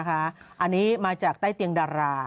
อันนี้มาจากใต้เตียงดารา